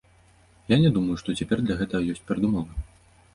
Я не думаю, што цяпер для гэтага ёсць перадумовы.